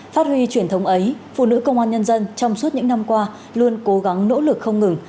phát huy truyền thống ấy phụ nữ công an nhân dân trong suốt những năm qua luôn cố gắng nỗ lực không ngừng